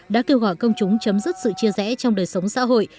đã kêu gọi công chúng chấm dứt sự chia rẽ trong đời sống xã hội